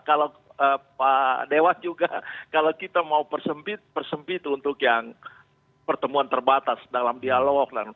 kalau pak dewas juga kalau kita mau persempit persempit untuk yang pertemuan terbatas dalam dialog